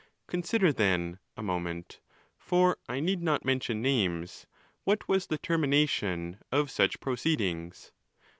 Consider, then, a moment, (for I need not mention names,) what was the termination of such proceed ings.